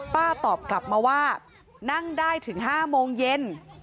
ตอบกลับมาว่านั่งได้ถึง๕โมงเย็น